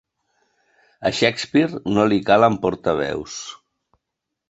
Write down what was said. A Shakespeare no li calen portaveus.